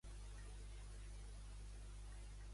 Era a les tres que em prenia el Xanax?